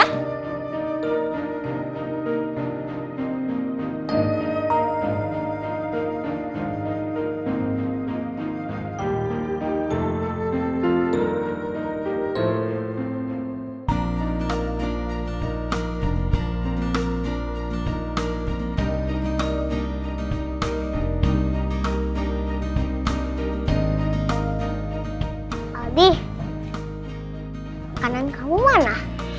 sesuai kelompok masing masing ya